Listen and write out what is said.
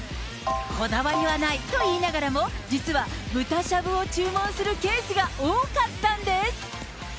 こだわりはないと言いながらも、実は、豚しゃぶを注文するケースが多かったんです。